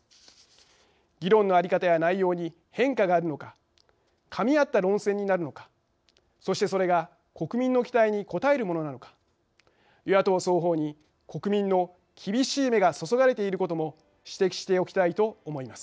議論の在り方や内容に変化があるのかかみ合った論戦になるのかそして、それが国民の期待に応えるものなのか、与野党双方に国民の厳しい目が注がれていることも指摘しておきたいと思います。